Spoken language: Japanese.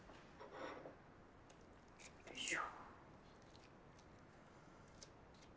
よいしょ。